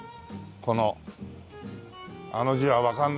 このあの字はわかんないな。